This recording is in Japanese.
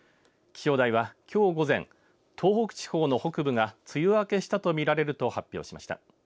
気象台は、きょう午前東北地方の北部が梅雨明けしたと見られると発表しました。